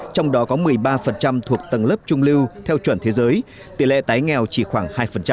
trong đó có một mươi ba thuộc tầng lớp trung lưu theo chuẩn thế giới tỷ lệ tái nghèo chỉ khoảng hai